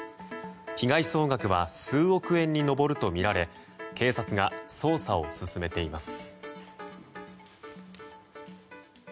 被害総額は数億円に上るとみられ警察が捜査を進めています。